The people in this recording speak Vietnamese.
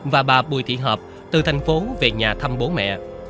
và bà bùi thị hợp từ thành phố về nhà thăm bố mẹ